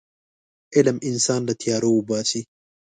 علم انسان له تیارو وباسي.